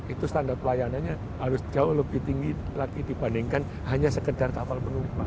itu standar pelayanannya harus jauh lebih tinggi lagi dibandingkan hanya sekedar kapal penumpang